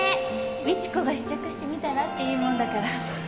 美知子が試着してみたらって言うもんだから